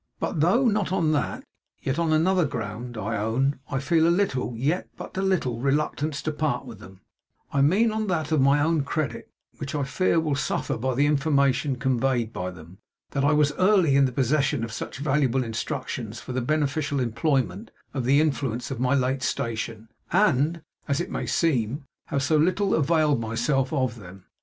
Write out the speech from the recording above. But, though not on that, yet on another ground I own I feel a little, yet but a little, reluctance to part with them: I mean on that of my own credit, which I fear will suffer by the information conveyed by them, that I was early in the possession of such valuable instructions for the beneficial employment of the influence of my late station, and (as it may seem) have so little availed myself of them.